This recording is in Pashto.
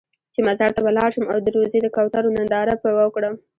چې مزار ته به لاړ شم او د روضې د کوترو ننداره به وکړم.